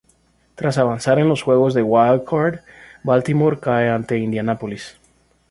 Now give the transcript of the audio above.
Tras avanzar en los juegos de wild-card, Baltimore cae ante Indianapolis.